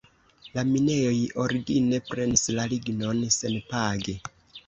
La minejoj origine prenis la lignon senpage.